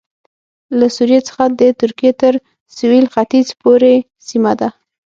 له سوریې څخه د ترکیې تر سوېل ختیځ پورې سیمه ده